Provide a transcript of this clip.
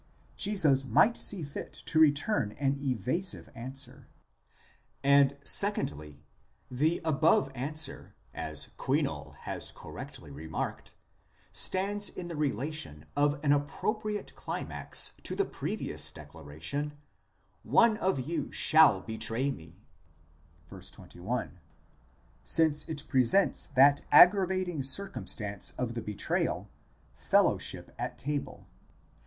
Jesus might see fit to return an evasive answer ; and secondly, the above answer, as Kuino] has correctly remarked, stands in the relation of an appropriate climax to the previous declaration : one of you shall betray me (vy. 21), since it presents that aggravating circumstance of the betrayal, fellowship at table.